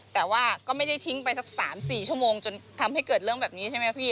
แต่ว่าก็ไม่ได้ทิ้งไปสัก๓๔ชั่วโมงจนทำให้เกิดเรื่องแบบนี้ใช่ไหมพี่